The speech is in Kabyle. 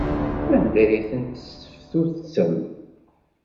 Anda ay ten-tesseftutsem?